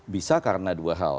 bisa karena dua hal